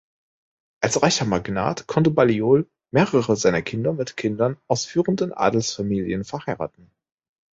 Als reicher Magnat konnte Balliol mehrere seiner Kinder mit Kindern aus führenden Adelsfamilien verheiraten.